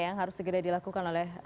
yang harus segera dilakukan oleh